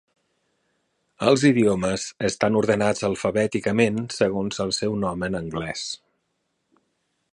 Els idiomes estan ordenats alfabèticament segons el seu nom en anglès.